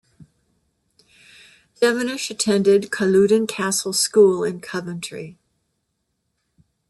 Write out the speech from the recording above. Devonish attended Caludon Castle School in Coventry.